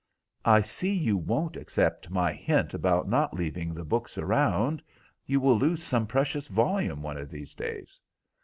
"I see you won't accept my hint about not leaving the books around. You will lose some precious volume one of these days."